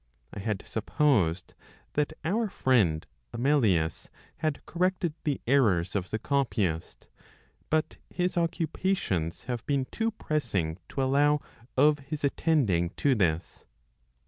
I had supposed that our friend Amelius had corrected the errors of the copyist; but his occupations have been too pressing to allow of his attending to this.